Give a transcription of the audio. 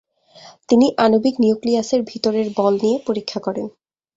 তিনি আণবিক নিউক্লিয়াসের ভিতরের বল নিয়ে পরীক্ষা করেন।